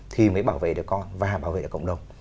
thì mới bảo vệ được con và bảo vệ được cộng đồng